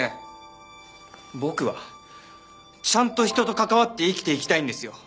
僕はちゃんと人と関わって生きていきたいんですよ。